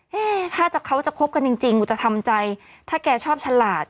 ถ้าเขาจะคบกันจริงกูจะทำใจถ้าแกชอบฉลาด